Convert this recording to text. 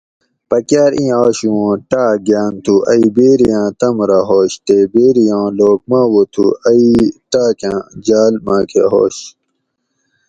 پکاٞر اِیں آشو اُوں ٹاٞک گاٞن تھُو ائ بیری آۤں تم رہ ہُوَش تے بیری آں لوک ماوہ تھُو ائ ئ ٹاۤکاٞں جھاٞل ماکٞہ ہُوَش